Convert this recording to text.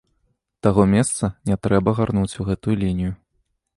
Таго месца не трэба гарнуць у гэтую лінію.